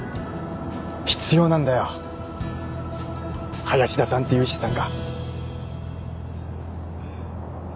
必要なんだよ林田さんっていう資産が。